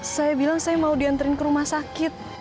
saya bilang saya mau diantarin ke rumah sakit